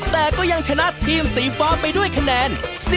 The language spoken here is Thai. แต่ก็ยังชนะทีมสีฟ้าไปด้วยคะแนน